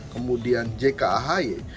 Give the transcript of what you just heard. kemudian jk ahy